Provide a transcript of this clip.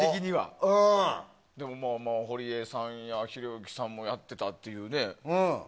堀江さんや、ひろゆきさんもやっていたっていうね。